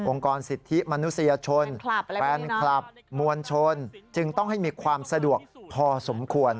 กรสิทธิมนุษยชนแฟนคลับมวลชนจึงต้องให้มีความสะดวกพอสมควร